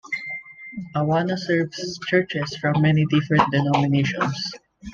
Awana serves churches from many different denominations.